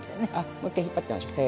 もう一回引っ張ってみましょう。